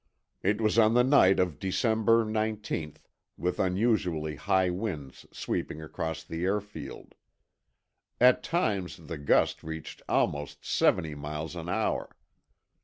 It was on the night of December 1918, with unusually high winds sweeping across the airfield. At times the gusts reached almost seventy miles an hour.